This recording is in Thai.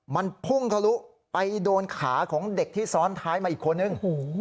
มันพุ่งทะลุไปโดนขาของเด็กที่ซ้อนท้ายมาอีกคนนึง